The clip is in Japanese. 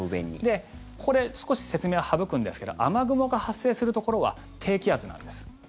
これ、少し説明、省くんですけど雨雲が発生するところは低気圧なんです。